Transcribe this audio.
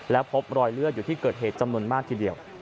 แล้วพบรอยเลือดอยู่ที่เกิดเหตุจำนวนมากทีเดียว